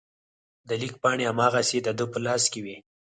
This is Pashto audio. د لیک پاڼې هماغسې د ده په لاس کې وې.